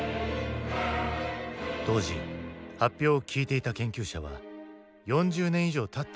当時発表を聞いていた研究者は４０年以上たった